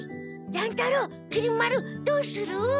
乱太郎きり丸どうする？